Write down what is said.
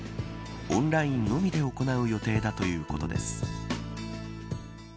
オンラインのみで行う予定だということです。